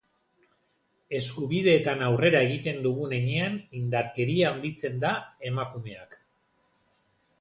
Eskubideetan aurrera egiten dugun heinean, indarkeria handitzen da, emakumeak.